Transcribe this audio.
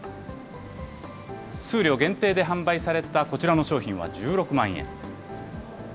数量限定で販売されたこちらの商品は１６万円。